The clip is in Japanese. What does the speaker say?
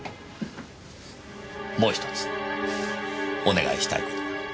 もう１つお願いしたい事が。